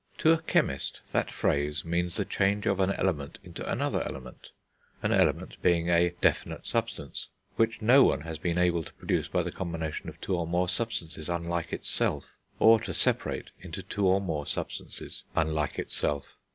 To a chemist that phrase means the change of an element into another element, an element being a definite substance, which no one has been able to produce by the combination of two or more substances unlike itself, or to separate into two or more substances unlike itself.